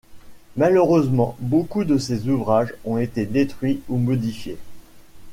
Malheureusement beaucoup de ses ouvrages ont été détruits ou modifiés.